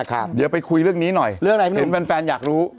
ค่อยไปทีละสเตะ